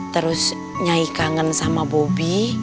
terus nyai kangen sama bobi